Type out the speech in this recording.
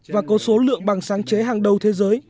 và có số lượng bằng sáng chế hàng đầu thế giới